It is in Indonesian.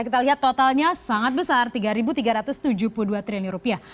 kita lihat totalnya sangat besar tiga tiga ratus tujuh puluh dua triliun rupiah